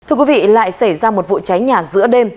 thưa quý vị lại xảy ra một vụ cháy nhà giữa đêm